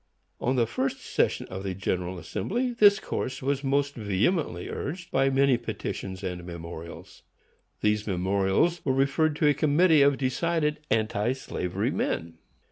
On the first session of the General Assembly, this course was most vehemently urged, by many petitions and memorials. These memorials were referred to a committee of decided anti slavery men.